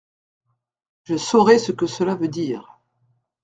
Je saurai ce que cela veut dire.